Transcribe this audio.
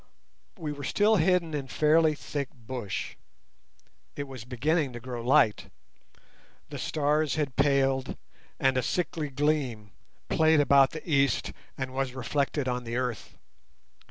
We were still hidden in fairly thick bush. It was beginning to grow light. The stars had paled and a sickly gleam played about the east and was reflected on the earth.